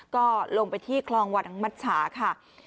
ก็ลงไปที่คลองวัดมัชชาค่ะ